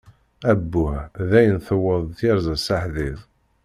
Abbuh dayen tewweḍ tyerza s aḥdid.